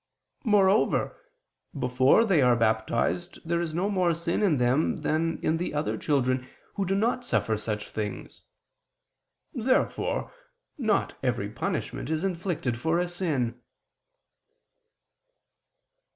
Moreover before they are baptized, there is no more sin in them than in the other children who do not suffer such things. Therefore not every punishment is inflicted for a sin.